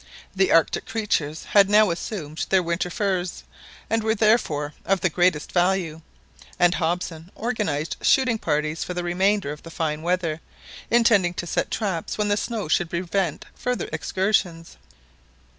The Arctic creatures had now assumed their winter furs, and were therefore of the greatest value, and Hobson organised shooting parties for the remainder of the fine weather, intending to set traps when the snow should prevent further excursions.